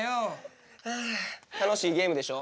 あ楽しいゲームでしょ？